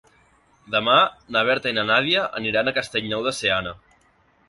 Demà na Berta i na Nàdia aniran a Castellnou de Seana.